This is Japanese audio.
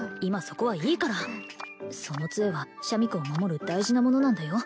そこはいいからその杖はシャミ子を守る大事なものなんだよ